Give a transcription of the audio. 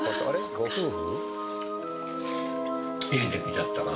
ご夫婦？